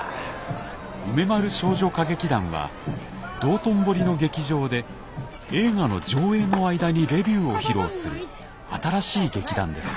梅丸少女歌劇団は道頓堀の劇場で映画の上映の間にレビューを披露する新しい劇団です。